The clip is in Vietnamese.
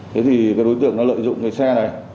thế thì cái đối tượng nó lợi dụng cái xe này